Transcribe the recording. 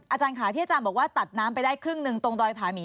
อาจารย์ค่ะที่อาจารย์บอกว่าตัดน้ำไปได้ครึ่งหนึ่งตรงดอยผาหมี